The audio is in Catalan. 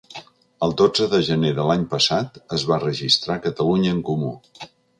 El dotze de gener de l’any passat, es va registrar Catalunya en Comú.